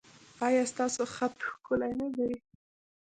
ایا ستاسو خط ښکلی نه دی؟